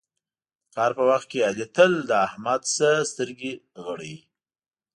د کار په وخت کې علي تل له احمد نه سترګې غړوي.